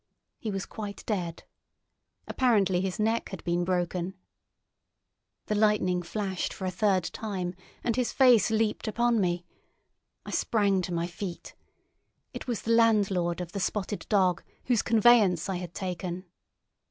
He was quite dead. Apparently his neck had been broken. The lightning flashed for a third time, and his face leaped upon me. I sprang to my feet. It was the landlord of the Spotted Dog, whose conveyance I had taken.